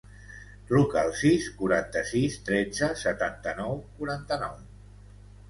Truca al sis, quaranta-sis, tretze, setanta-nou, quaranta-nou.